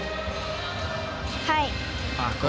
はい！